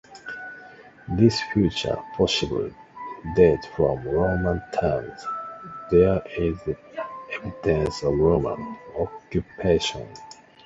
This feature possibly dates from Roman times (there is evidence of Roman occupation).